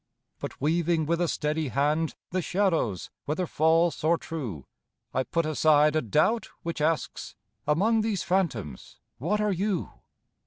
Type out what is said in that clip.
But weaving with a steady hand The shadows, whether false or true, I put aside a doubt which asks "Among these phantoms what are you?"